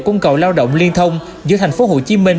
cung cầu lao động liên thông giữa thành phố hồ chí minh